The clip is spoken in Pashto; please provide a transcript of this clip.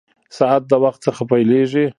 ساعت د وخت څخه پېلېږي.